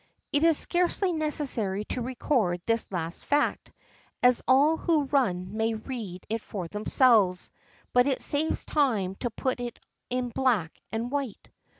It is scarcely necessary to record this last fact, as all who run may read it for themselves, but it saves time to put it in black and white.